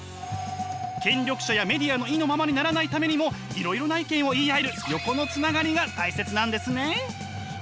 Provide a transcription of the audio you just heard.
権力者やメディアの意のままにならないためにもいろいろな意見を言い合える横のつながりが大切なんですね。